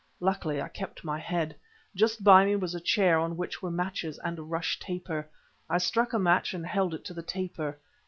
Luckily I kept my head. Just by me was a chair on which were matches and a rush taper. I struck a match and held it to the taper.